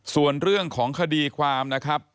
ส่วนเรื่องของคดีความนะครับ